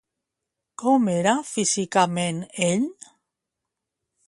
Com era físicament ell?